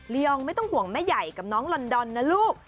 ยองไม่ต้องห่วงแม่ใหญ่กับน้องลอนดอนนะลูก